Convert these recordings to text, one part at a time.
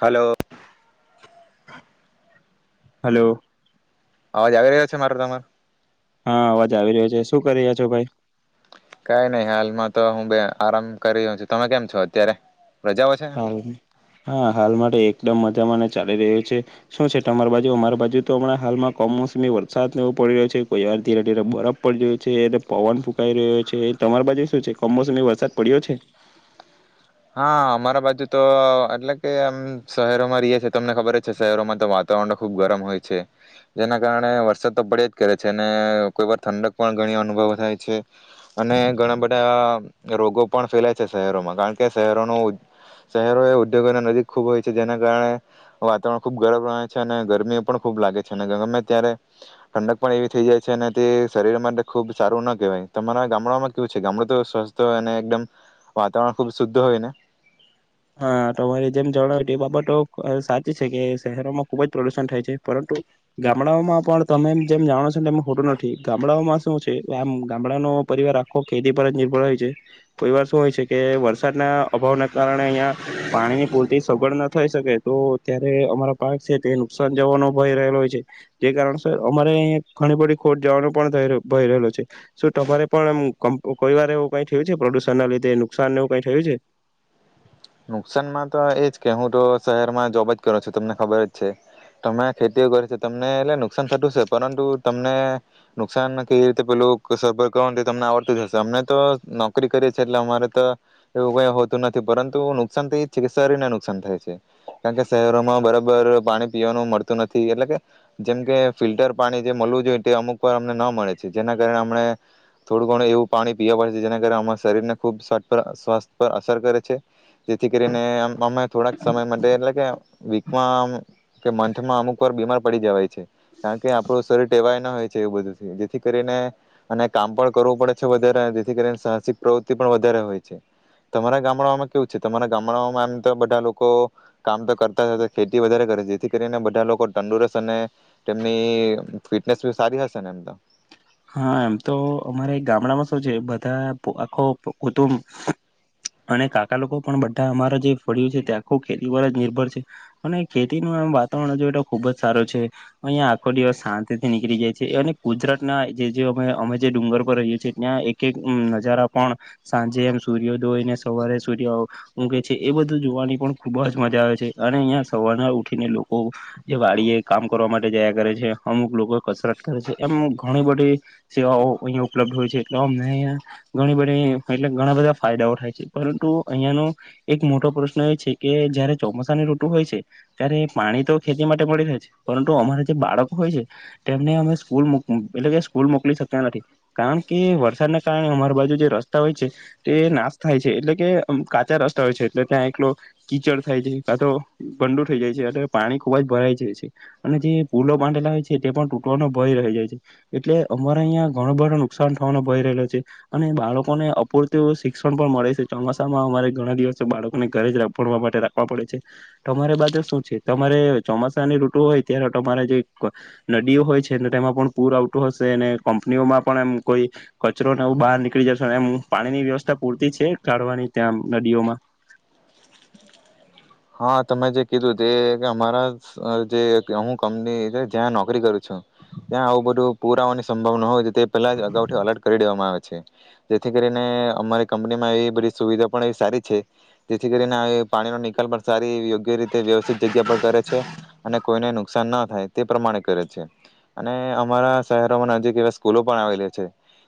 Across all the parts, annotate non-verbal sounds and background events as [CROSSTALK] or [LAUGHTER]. Hello hello અવાજ આવીી રહ્યો છે મારે તમાર હા અવાજ આવી રહ્યો છે શું કરી રહ્યા છો ભાઈ કઈ નહી હાલમાં તો હું બે આરામ કરી રહ્યો છું તમે કેમ છો અત્યારે રજાઓ છે હ હા હાલ માટે એકદમ મજામાંને ચાલી રહ્યો છે શું છે તમારી બાજુ અમારી બાજુ તો હમણાં હાલમાં કમોસમી વરસાદ નવો પડી રહ્યો છે કોઈ વાર ધીરે ધીરે બરફ પડી રહ્યો છે પવન ફૂંકાઈ રહ્યો છે તમારી બાજુ શું છે કમોસમી વરસાદ પડ્યો છે હા અમારા બાજુ તો એટલે કે આમ શહેરોમાં રહીએ છી તમને ખબર જ છે શહેરોમાં તો વાતાવરણ ખુબ ગરમ હોય છે જેના કારણે વરસાદ તો પડે જ કરે છે અને કોઈ વાર ઠંડક પણ ઘણી અનુભવ થાય છે અને ઘણા બધા રોગો પણ ફેલાય છે શહેરોમાં કારણ કે કે શહેરોનું શહેરો એ ઉદ્યોગો અને નજીક ખૂબ હોય છે જેના કારણે વાતાવરણ ખૂબ ગરબ રહે છે અને ગરમી પણ ખૂબ લાગે છે અને ગ ગમે ત્યારે ઠંડક પણ એવી થઈ જાય છે અને તે શરીર માટે ખૂબ સારું ના કહેવાય તમારા ગામડામાં કેવું છે ગામડું તો સ્વસ્થ હોય અને એકદમ વાતાવરણ ખૂબ શુદ્ધ હોના હા તમારે જેમ જણ એ બાબતો સાચી છે કે શહેરોમાં ખુબ જ પ્રદુષણ થાય છે પરંતુ ગામડાઓમાં પણ તમે જેમ જાણો છો એમ હોતું નથી ગામડાઓમાં શું છે આમ ગામડાનો પરિવાર આખો ખેતી પર જ નિર્ભર હોય છે પરિવાર શું હોય છે કે વરસાદના અભાવને કારણે અં પાણીની પૂરતી સગડ ના થઈ શકે તો ત્યારે અમારા પાક છે તે નુકસાન જવાનો ભય રહેલો હોય છે જે કારણ અમારે અં ઘણી બધડી ખોટ જવાનું પણ ભય રહેલો છે શ તમારે પણમ કોઈ વાર એવું કઈ થયું છે પ્રદુષણ ના લીધે નુકસાન એવું કઈ થયું છે નુકસાનમાં તો એજ કે હું તો શહેરમાં જોબ જ કરું છું તમને ખબર જ છે તમે ખેતીઓ કરો છેો તમને એટલે નુકસાન થતું છે પરંતુ તમને નુકસાન કેવી રીતે પેલું કરવા તમને આવડતું જ હશે અમને તો નોકરી કરીએ છીએ એટલે અમારે તો એવું કઈ હોતું નથી પરંતુ તો નુકસાન તો એ જ છે કે શરીરને નુકસાન થાય છે કારણ કે શહેરોમાં બરાબર પાણી પીવાનું મળતું નથી એટલે કે જેમ કે ફિલ્ટર પાણી જે મળવું જોઈએ તે અમુક વાર અમને ન મળે છે જેના કારણે અમને થોડું ઘણું એવું પાણી પીવા પડે છે જેના કારણે અમારા શરીરને ખૂબ સ્ સ્વાસ્થ્ય પર અસર કરે છે જેથી કરીને અમે થોડાક સમય માટે એટલે કે વીકમાં કે મંથમાં અમુક વાર બીમાર પડી જવાય છે કારણ કે આપણું શરીર ટેવાય ના હોય છે એવું બધું જેથી કરીને અને કામ પણ કરવું પડે છે વધારે જેથી કરીને સાહસિક પ્રવૃતિ પણ વધારે હોય છે તમારા ગામડા કેવું છે તમારા ગામડામાં એમ તો બધા લોકો કામ તો કરતા ખેતી વધારે કરે છે જેથી કરીને બધા લોકો તંદુરસ્ત અને તેમની ફિટનેસ સારી હશે ને એમ તો હા એમ તો અમારે ગામડામાં શું છે બધા પ આખો કુંટુંબ અને કાકા લોકો પણ બધા અમારા જે ફળ્યું છે તે આખું ખેતી ઉપર જ નિર્ભર છે, અને ખેતીનું એમ વાતાવરણ જોય તો ખુબ જ સારો છે. અહિયાં આખો દિવસ શાંતિ થી નીકળી જાય છે, અને ગુજરાત ના જે-જે અમે અમે જે ડુંગર પર રહીએ છીએ ત્યાં એક-એક નજારા પણ સાંજે એમ સૂર્યોદયને સવારે સૂર્ય ઊગે છે એ બધું જોવાની પણ ખૂબ જ મજા આવે છે, અને અહીંયા સવારના ઉઠીને લોકો જે વાડીએ કામ કરવા માટે જયા કરે છે મ, અમુક લોકો કસરત કરે છે, એમ ઘણી બધ ધી સેવાઓ અહી ઉપલબ્ધ હોય છે. એટલે અમને અહિયાં ઘણી બધી એટલે ઘણા બધા ફાયદાઓ થાય છે, પરંતુ અહિયાંનો એક મોટો પ્રશ્ન એ છે કે જયારે ચોમાસાની ઋતુ હોય છે, ત્યારે પાણી તો ખેતી માટે મળી રહે છે, પરંતુ અમારા જે બાળકો હોય છે તેમને અમે સ્કૂલ મૂક એટલે કે સ્કૂલ મોકલી શકતા નથી, કારણ કે વરસાદને કારણે અમારી બાજુ જે રસ્તા હોય છે તે નાશ થાય છે, એટલે કે કાચા રસ્તા હોય છે એટલે ત્યાં એકલો કીચડ થાય છે, કા તો ગંડુ થઈ જાય છે, એટલે પાણી ખુબ જ ભરાઈ જાય છે, અને જે પૂલો બાંધેલા હોય છે તે પણ તૂટવાનો ભય રહી જાય છે. એટલે અમારે અહીંયા ઘણો બધો નુકસાન થવાનો ભય રહેલો છે, અને બાળકોને અપૂરતું શિક્ષણ પણ મળે છે. ચોમાસામાં અમારે ઘણા દિવસથી બાળકોને ઘરે જ [UNINTELLIGIBLE] માટે રાખવા પડે છે. તમારે બાજુ શું છે? તમારે ચોમાસાની ઋટુ હોય ત્યારે તમારે જે નદીઓ હોય છે અને તેમાં પણ પૂર આઉ તું હશે ને કંપનીઓમાં પણ એમ કોઈ કચરો ને એવું બહાર નીકળી જશે એમ પાણીની વ્યવસ્થા પૂરતી છે કાઢવાની ત્યાં નદીઓમાં? હા તમે જે કીધું તે કે અમારા અહ જે કે હું કંપની જ્યાં નોકરી કરું છું, ત્યાં આવું બધું પૂર આવવાની સંભાવના હોય તો તે પહેલા જ અગાઉ થી અલર્ટ કરી દેવામાં આવે છે. જેથી કરીને અમારી કંપનીમાં એ બધી સુવિધા પણ એ સારી છે, તેથી કરીને અહિયાં પાણીનો નિકાલ પણ સારી એવી યોગ્ય રીતે વ્યવસ્થિત જગ્યા પર કરે છે, ‌ અને કોઈને નુક નુકસાન ના થાય તે પ્રમાણે કરે છે. અને અમારા શહેરોમાં નજીક એવા સ્કૂલો પણ આવેલી છે,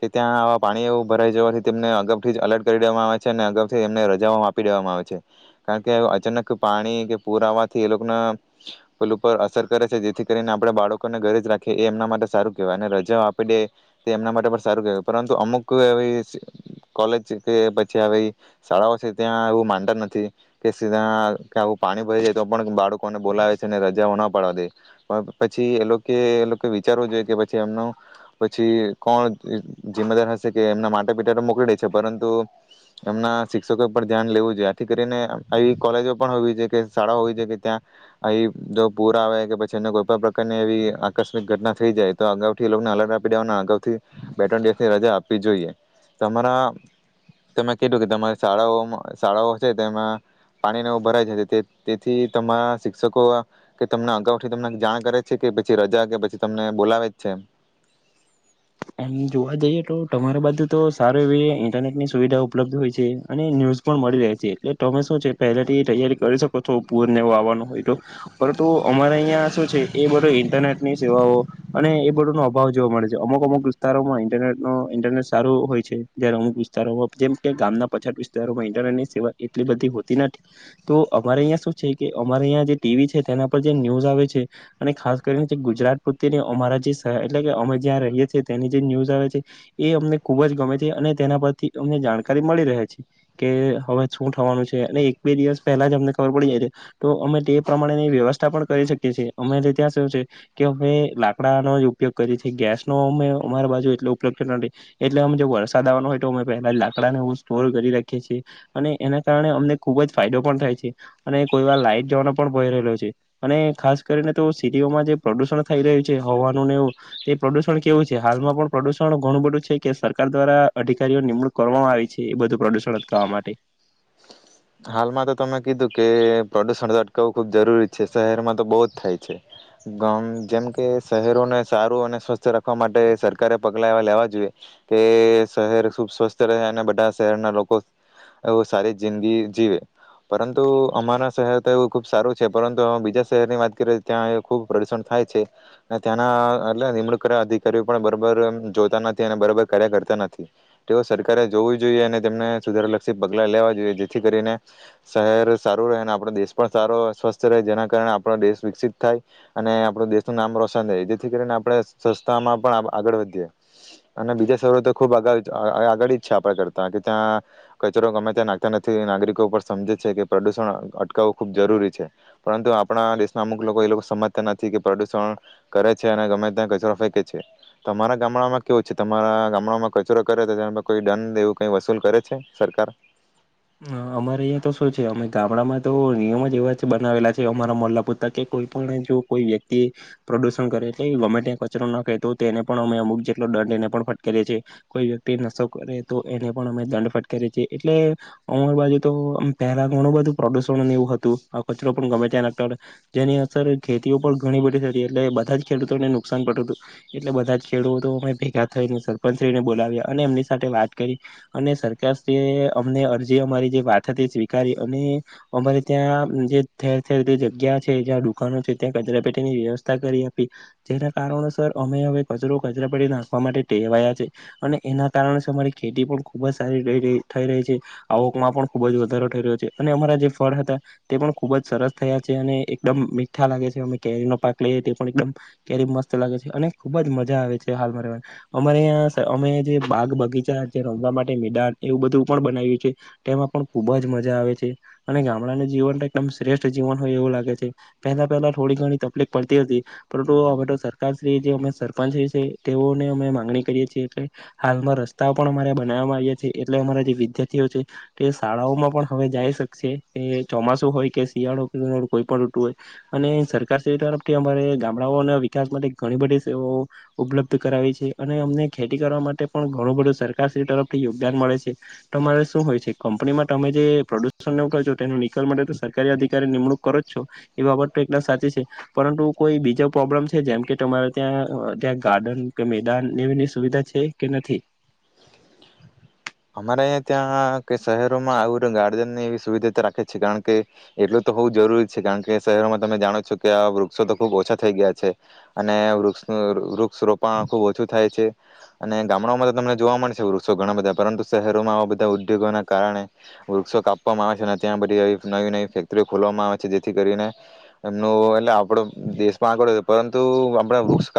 કે ત્યાં આવા પાણી એવું ભરાઈ જવાથી તેમને અગાઉથી જ અલર્ટ કરી દેવામાં આવે છે, અને અગાઉથી જ એમને રજાઓ આપી દેવામાં આવે છે, કારણ કે અચાનક ક પાણી કે પુર આવવાથી એ લોકને પેલ ઉપર અસર કરે છે, જેથી કરીને આપણે બાળકોને ઘરે જ રાખીએ એ એમના માટે સારું કહેવાય, અને રજા આપી દે તે એમના માટે પણ સારું કહેવાય, પરંતુ અમુક એવી સ કોલેજ કે પછી આવી શાળાઓ છે ત્યાં એવું માનતા નથી કે સીધા કે આવું પાણી ભરી જાય તો પણ બાળકોને બોલાવે છે, ને રજાઓ ના પાડવા દે, પણ પછી એ લોકએ એ લોકએ વિચારવું જોઈએ કે પછી એમનું પછી કોણ જિ જિમ્મેદાર હશે કે એમના માતા પિતા તો મોકલી દે છે. પરંતુ એમના શિક્ષકો પર ધ્યાન લેવું જોઈએ. આથી કરીને આવી કોલેજો પણ હોવી જોઈએ કે શાળાઓ હોવી જો કે ત્યાં આઈ જો પૂર આવે કે પછી એને કોઈ પણ પ્રકારની એવી આકસ્મિક ઘટના થઈ જાય તો અગાઉથી એ લોકને અલર્ટ આપી દેવાનું, અગાવથી બે ત્રણ દિવસની રજા આપવી જોઈએ. તમારા તમે કીધું કે તમારી શાળાઓમાં શાળાઓ છે તેમાં પાણીનો ભરાય છે, તે તેથી તમારા શિક્ષકો કે તમને અગાઉથી તમને જાણ કરે છે કે પછી રજા કે પછી તમને બોલાવે જ છે? એમ જોવા જઈએ તો તમારે બાજુ તો સારું એવી ઇન્ટરનેટ ની સુવિધા ઉપલબ્ધ હોય છે, અને ન્યૂઝ પણ મળી રહે છે. એટલે તમે શું છે પહેલેથી તૈયારી કરી શકો છો પૂરને એવો આવવાનો હોય તો, પરંતુ અમારે અહીંયા શું છે, એ બધો ઇન્ટરનેટ ની સેવાઓ અને એ બધો નો અભાવ જોવા મળે છે. અમુક-અમુક વિસ્તારોમાં ઇન્ટરનેટનો ઇન્ટરનેટ સારું હોય છે. જ્યારે અમુક વિસ્તારોમાં જેમ કે ગામના પછાત વિસ્તારોમાં ઇન્ટરનેટની સેવા એટલી બધી હોતી નથી, તો અમારે અહીંયા શું છે કે, અમારે અહીંયા જે ટીવી છે તેના પર જે ન્યૂઝ આવે છે, અને ખાસ કરીને જે ગુજરાત પ્રત્યેની અમારા જે સર એટલે કે અમે જ્યાં રહીએ છીએ તેની જે ન્યૂઝ આવે છે, એ અમને ખૂબ જ ગમે છે. અને તેના પરથી અમને જાણકારી મળી રહે છે કે હવે શું થવાનું છે, અને એક બે દિવસ પહેલા જ અમને ખબર પડી જાય છે તો અમે તે પ્રમાણેની વ્યવસ્થા પણ કરી શકીએ છેએ અમે એ ત્યાં શું છે કે હવે લાકડાનો જ ઉપયોગ કરીએ છીએ ગેસનો અમે અમારી બાજુ એટલે ઉપલબ્ધ નથી એટલે અ જો વરસાદ આવવાનો હોય તો અમે પહેલા લાકડાને એવુ સ્ટોર કરી રાખીએ છીએ. અને એના કારણે અમને ખુબ જ ફાયદો પણ થાય છે અને કોઈ વાર લાઈટ જવાનો પણ ભય રહેલો છે. અને ખાસ કરીને તો સિટીઓમાં જે પ્રદુષણ થઈ રહ્યું છે હવાનુંને એવું તે પ્રદુષણ કેવું છે જે હાલમાં પણ પ્રદુષણ ઘણું બધું છે કે સરકાર દ્વારા અધિકારીઓ નિમણૂક કરવામાં આવી છે એ બધું પ્રદુષણ અટકાવવા માટે હાલમાં તો તમે કીધું કે પ્રદુષણ અટકાવવું ખુબ જરૂરી છે. શહેરમાં તો બહુ જ થાય છે. ગ જેમ કે શહેરોને સારું અને સ્વસ્થ રાખવા માટે સરકારે પગલા એવા લેવા જોઈએ, કે શહેર ખુબ સ્વસ્થ રહે અને બધા શહેરના લોકો એ સારી જિંદગી જીવે પરંતુ અમારા શહેર તો એવું ખુબ સારું છે પરંતુ બીજા શહેરની વાત કરીએ ત્યાં ખૂબ પ્રદુષણ થાય છે. અને ત્યાંના એટ નિમણૂક કર અધિકારીઓ પણ બરાબર જોતા નથી, અને બરાબર કાર્ય કરતા નથી તેઓ સરકારે જોવું જોઈએ અને તેમને સુધારલક્ષી પગલાં લેવા જોઈએ. જેથી કરીને શહેર સારું રહે, અને આપણો દેશ પણ સારો સ્વસ્થ રહે, જેના કારણે આપણો દેશ વિકસિત થાય અને આપણ દેશનું નામ રોશન થાય જેથી કરીને આપણે સ્વચ્છતામાં પણ આગળ વધીએ અને બીજા શહેરો તો ખૂબ આગળ જ છે આપણે કરતા કે ત્યાં કચરો ગમે ત્યાં નાખતા નથી થી નાગરિકો ઉપ સમજે છે, કે પ્રદુષણ અટકાવવું ખૂબ જરૂરી છે. પરંતુ આપણા દેશના અમુક લોકો એ લોકો સમજતા નથી કે પ્રદુષણ કરે છે અને ગમે ત્યાં કચરો ફેંકે છે. તમારા ગામડામાં કેવું છે? તમારા ગામડામાં કચરો કરે તો તેના પર કોઈ દંડ એવું કઈ વસૂલ કરે છે સરકાર? હ અમારે અહીં તો શું છે અમે ગામડામાં તો નિયમ જ એવા જ બનાવેલા છે, અમારા મોલ્લા પુરતા કે કોઈ પણ જો કોઈ વ્યક્તિ પ્રદુષણ કરે એટલે ગવર્મેન્ટ કચરો નાખે તો તો એને પણ અમે અમુક જેટલો દંડ એને પણ ફટકારીએ છીએ કોઈ વ્યક્તિ નશો કરે તો એને પણ અમે દંડ ફટકારએ છીએ એટલે અમાર બાજુ તો પહેલા ઘણું બધું પ્રદુષણ એવું હતું, આ કચરો પણ ગમે ત્યાં નાખતા હતા જેની અસર ખેતીઓ પણ ઘણી બધી થતી, એટલે બધા જ ખેડૂતોને નુકસાન પડતું હતું. એટલે બધાં જ ખેડૂતો તો અમે ભેગા થઈને સરપંચશ્રીને બોલાવ્યા અને એમની સાથે વાત કરી અને સરકારશ્રી એ અમને જે અમારી જે વાત હતી સ્વીકારી, અને અમારે ત્યાં જે ઠેરઠેર જે જગ્યા છે જ્યાં દુકાનો છે, ત્યાં કચરા પેટીની વ્યવસ્થા કરી આપી જેના કારણોસર અમે હવે કચરો કચરાપેટી નાખવા માટે ટેવાયા છે. અને એના કારણસ અમારી ખેતી પણ ખૂબ જ સારી થઈ રહી છે. આવકમાં પણ ખૂબ જ વધારો ઠર્યો છે અને અમારા જે ફળ હતા તે પણ ખૂબ જ સરસ થયા છે અને એકદમ મીઠા લાગે છે. અમે કેરીનો પાક લઈએ તે પણ એકદમ કેરી મસ્ત લાગે છે. અને ખૂબ જ મજા આવે છે, હાલ મારે અમારે અમે જે બાગ બગીચા જે રમવા માટે મેદાન એવું બધું પણ બનાવ્યું છે. તેમાં પણ ખુબ જ મજા આવે છે અને ગામડાનું જીવન એકદમ શ્રેષ્ઠ જીવન હોય એવું લાગે છે. પહેલા પહેલા થોડી ઘણી તકલીફ પડતી હતી પરંતુ અમે તો સરકારશ્રી જે અમે સરપંચ છે. તેઓને અમે માંગણી કરીએ છીએ કે હાલમાં રસ્તા પણ અમારે બનાવવામાં આવીએ છીએ એટલે અમારા જે વિદ્યાર્થીઓ છે તે શાળાઓમાં પણ હવે જાય શકશે, એ ચોમાસું હોય કે શિયાળો કોઈ પણ ઋતુ હોય અને સરકારશ્રી તરફથી અમારે ગામડાઓના વિકાસ માટે ઘણી બધી સેવાઓ ઉપલબ્ધ કરાવી છે. અને અમને ખેતી કરવા માટે પણ ઘણું બધું સરકારશ્રી તરફથી યોગદાન મળે છે. તમારે શું હોય- કંપનીમાં તમે જે પ્રદુષણને કરો છો, તેનો નિકાલ માટે તો સરકારી અધિકારી નિમણૂક કરો જ છો, એ બાબત તો એકદ સાચી છે. પરંતુ કોઈ બીજો પ્રોબ્લેમ છે, જેમ કે તમારે ત્યાં ત્યાં ગાર્ડન કે મેદાન એવીની સુવિધા છે કે નથી? અમારે અહીં ત્યાં કે શહેરોમાં આવું ગાર્ડનની એવી સુવિધા રાખે છે. કારણ કે એટલું તો હોવુ જરૂરી છે. કારણ કે શહેરોમાં તમે જાણો છો, કે આ વૃક્ષો તો ખુબ ઓછા થઈ ગયા છે અને વૃક્ષનું વૃક્ષ રોપણ ખુબ ઓછું થાય છે. અને ગામડાઓમાં તો તમને જોવા મળે છે, વૃક્ષો ઘણા બધા પરંતુ શહેરોમાં આવા બધા ઉદ્યોગોના કારણે વૃક્ષો કાપવામાં આવે છે. અને ત્યાં બધી નવી નવી ફેક્ટરીઓ ખોલવામાં આવે છે. જેથી કરીને એમનું એટલે આપ દેશમાં પરંતુ તુ આપણા વૃક્ષ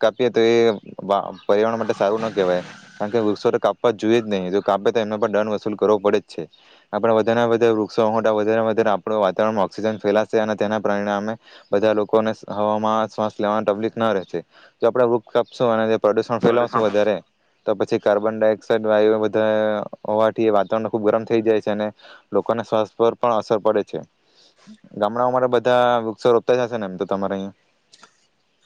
કાપ કાપીએ તો એ વા-પર્યાવરણ માટે સારું ન કહેવાય, કારણ કે વૃક્ષો તો કાપવા જોઈએ જ નહી કે જો કાપે તો એમને પર દંડ વસૂલ કરવો પડે જ છે. આપણે વધારેને વધારે વૃક્ષો મોટા વાવવા માટે વધારે આપણે વાતાવરણમાં ઓક્સિજન ફેલાશે અને તેના પરિણામે બધા લોકોને હવામાં શ્વાસ લેવાની તકલીફ ના રહેશે જો આપણે વૃક્ષ કાપશુ અને તે પ્રદુષણ પ્રદૂષણ ફેલાવશું વધારે તો પછી કાર્બન ડાયોક્સાઇડ વાયુ અઅઅ હોવાથી વાતાવરણ ખુબ ગરમ થઈ જાય છે. અને લોકોને શ્વાસ પર પણ અસર પડે છે. ગામડાઓમાં બધા વૃક્ષો રોપતા જશે ને એમ તો તમારે અહીંયા!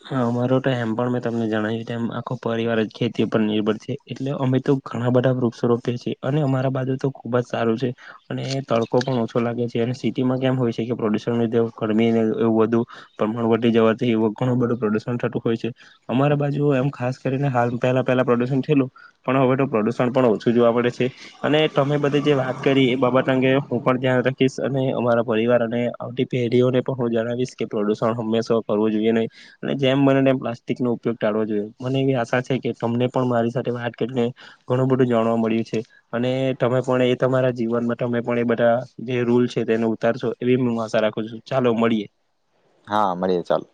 હ અમારો તો એમ પણ મેં તમને જણાવ્યું તેમ આખો પરિવાર જ ખેતી પર નિર્ભર છે એટલે અમે તો ઘણા બધા વૃક્ષ રોપી છીએ, અને અમારા બાજુ તો ખુબ જ સારું છે અને તડકો પણ ઓછો લાગે છે. અને સિટીમાં કેમ હોય છે કે પ્રદુષણ ગરમી એવું વધુ પ્રમાણ ઘટી જવાથી એવો ઘણું બધું પ્રદૂષણ થતું હોય છે અમારા બાજુ એમ ખાસ કરીને હાલ પહેલાં પહેલાં પ્રદૂષણ થયેલું પણ હવે તો પ્રદૂષણ પણ ઓછું જોવા મળે છે અને તમે બધી જે વાત કરી એ બાબત અંગે હું પણ ધ્યાન રાખીશ અને અમારા પરિવાર અને આવતી પેઢીઓને પણ હું જણાવીશ કે પ્રદૂષણ હંમેશા કરવું જોઈએ નહીં. અને જેમ બને પ્લાસ્ટિકનો ઉપયોગ ટાળવો જોઈએ મને એવી આશા છે કે તમને પણ મારી સાથે વાત કરીને ઘણું બધું જાણવા મળ્યું છે અને તમે પણ એ તમારા જીવનમાં તમે પણ એ બધા જે રૂલ છે તેને ઉતારશો એવી હું આશા રાખું છું, ચાલો મળીએ. હા મળીએ ચાલ.